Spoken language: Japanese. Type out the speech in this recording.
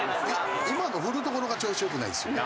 今のを振るところが調子良くないですよね。